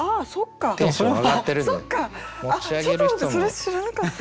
ちょっと待ってそれ知らなかった。